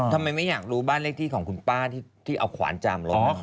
ทำไมไม่อยากรู้บ้านเลขที่ของคุณป้าที่เอาขวานจามลง